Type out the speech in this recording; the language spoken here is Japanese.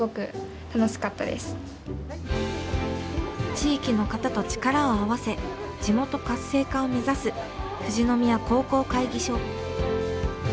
地域の方と力を合わせ地元活性化を目指す富士宮高校会議所。